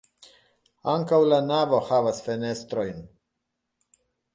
Ankaŭ la navo havas fenestrojn.